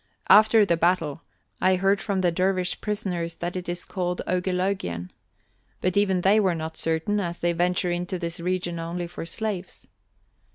After the battle, I heard from the dervish prisoners that it is called Ogeloguen, but even they were not certain, as they venture into this region only for slaves.